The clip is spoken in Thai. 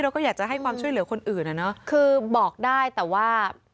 เราก็อยากจะให้ความช่วยเหลือคนอื่นอ่ะเนอะคือบอกได้แต่ว่า